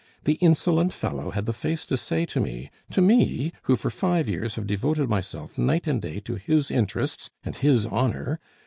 The insolent fellow had the face to say to me to me, who for five years have devoted myself night and day to his interests and his honor!